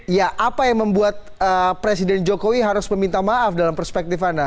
ya apa yang membuat presiden jokowi harus meminta maaf dalam perspektif anda